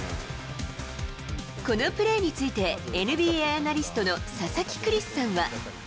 このプレーについて、ＮＢＡアナリストの佐々木クリスさんは。